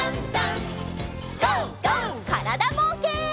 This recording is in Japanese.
からだぼうけん。